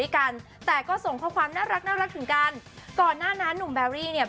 ก่อนหน้านั้นนุ่มแบร์รี่